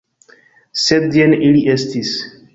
Sed jen ili estis!